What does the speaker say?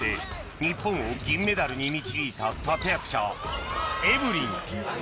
日本を銀メダルに導いた立役者エブリン